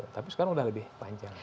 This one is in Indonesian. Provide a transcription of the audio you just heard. tapi sekarang sudah lebih panjang